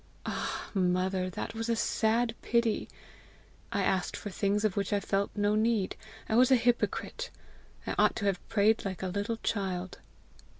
"Ah, mother, that was a sad pity! I asked for things of which I felt no need! I was a hypocrite! I ought to have prayed like a little child!"